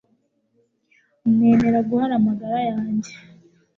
nemera guhara amagara yanjye